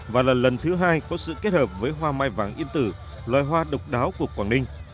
và là lần thứ hai có sự kết hợp với hoa mai vàng yên tử loài hoa độc đáo của quảng ninh